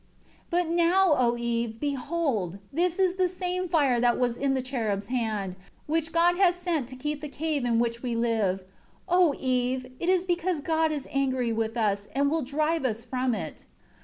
4 But now, O Eve, behold, this is the same fire that was in the cherub's hand, which God has sent to keep the cave in which we live. 5 O Eve, it is because God is angry with us, and will drive us from it.